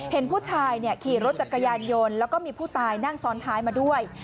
เห็นผู้ชายขี่รถจักรยานยนต์แล้วก็มีผู้ตายนั่งซ้อนท้ายมาด้วย